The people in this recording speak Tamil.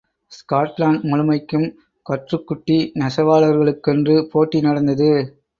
ஸ்காட்லாண்ட் முழுமைக்கும், கற்றுக்குட்டி நெசவாளர்களுக்கென்று போட்டி நடந்தது.